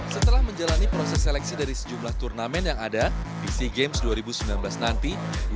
setelah menjalani proses seleksi dari sejumlah turnamen yang ada di sea games dua ribu sembilan belas nanti